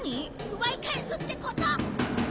奪い返すってこと！